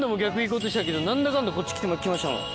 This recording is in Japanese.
こうとしたけど何だかんだこっち来ましたもん。